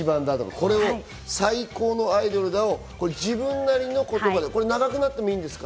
これを最高のアイドルだを自分なりの言葉で長くなってもいいんですか？